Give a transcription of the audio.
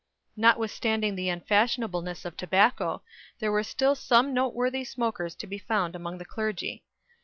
Notwithstanding the unfashionableness of tobacco, there were still some noteworthy smokers to be found among the clergy.